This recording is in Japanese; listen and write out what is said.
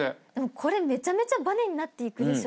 これめちゃめちゃバネになっていくでしょうね。